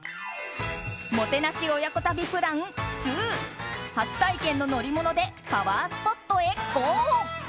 もてなし親子旅プラン２初体験の乗り物でパワースポットへＧＯ！